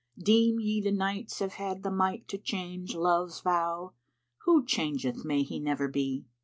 Deem ye the nights have had the might to change * Love's vow? Who changeth may he never be!"